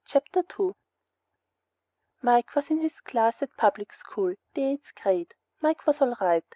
CHAPTER 2 Mike was in his class at public school, the eighth grade. Mike was all right.